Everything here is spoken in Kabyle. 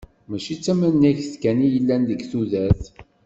Mačči d tamanegt kan i yellan deg tudert.